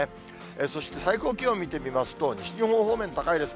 そして最高気温見てみますと、西日本方面、高いです。